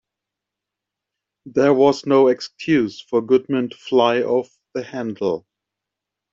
There was no excuse for Goodman to fly off the handle.